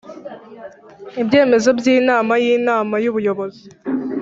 ibyemezo by inama y Inama y Ubuyobozi